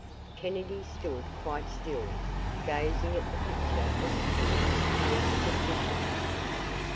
Kennedy stood quite still, gazing at the picture, askew, with suspicion.